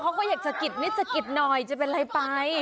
เขาก็อยากสะกิดมิดสะกิดหน่อยจะเป็นอะไรไป